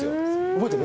覚えてる？